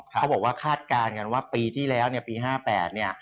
เขาบอกว่าคาดการณ์กันว่าปีที่แล้วปี๕๘